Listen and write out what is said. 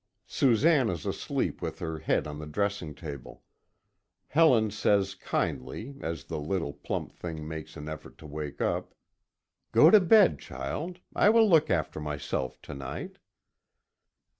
Susanne is asleep with her head on the dressing table. Helen says kindly, as the little, plump thing makes an effort to wake up: "Go to bed, child. I will look after myself to night."